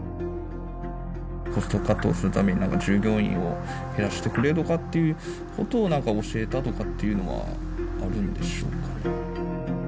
コストカットをするために従業員を減らしてくれとかっていうことをなんか教えたとかっていうのはあるんでしょうか？